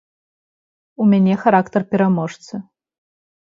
У мяне характар пераможцы.